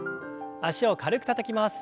脚を軽くたたきます。